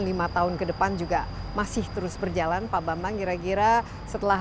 lima tahun ke depan juga masih terus berjalan pak bambang kira kira setelah